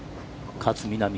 勝みなみ。